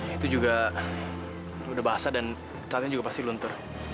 itu juga udah basah dan catnya juga pasti luntur